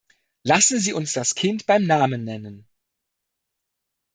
Lassen Sie uns das Kind beim Namen nennen.